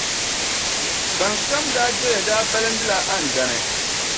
Ban kam daa doya daa balindila Andani.